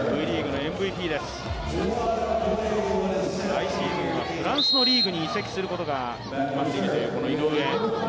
来シーズンはフランスのリーグに移籍することが決まっている、この井上。